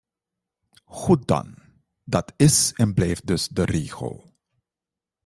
Goed dan: dat is en blijft dus de regel.